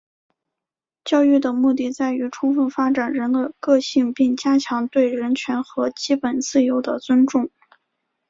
教育的目的在于充分发展人的个性并加强对人权和基本自由的尊重。